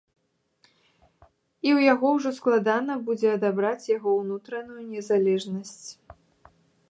І ў яго ўжо складана будзе адабраць яго ўнутраную незалежнасць.